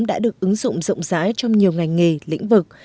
đã được ứng dụng rộng rãi trong nhiều ngành nghề lĩnh vực